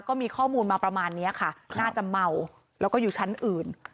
ก็มีข้อมูลมาประมาณนี้ค่ะน่าจะเมาแล้วก็อยู่ชั้นอื่น